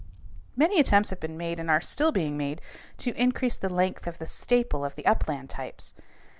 Many attempts have been made and are still being made to increase the length of the staple of the upland types.